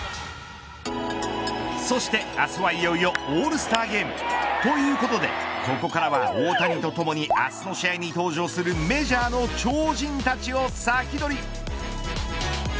そして明日はいよいよオールスターゲーム。ということでここからは、大谷とともに明日の試合に登場するメジャーの超人たちをサキドリ。